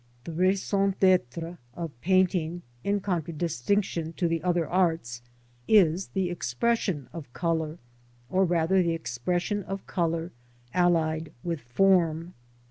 The rais on cTStre of p aintjng, in contradistinction to the arts, is the expression of colour, or rather the expression colour allie^wjith ibrm.